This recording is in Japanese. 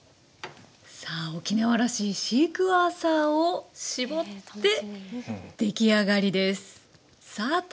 さあ沖縄らしいシークワーサーを搾って出来上がりです。